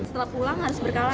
setelah pulang harus berkala